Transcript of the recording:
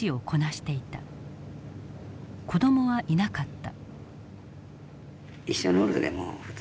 子どもはいなかった。